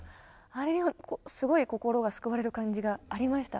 あれにもすごい心が救われる感じがありました。